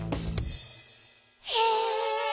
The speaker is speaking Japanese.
へえ。